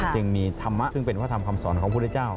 จึงมีธรรมะซึ่งเป็นวัฒนธรรมคำสอนของพุทธเจ้า